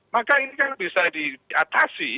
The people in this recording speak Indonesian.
maka ini kan bisa diatasi